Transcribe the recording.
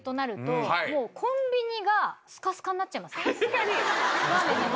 確かに。